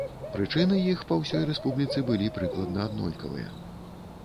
Прычыны іх па ўсёй рэспубліцы былі прыкладна аднолькавыя.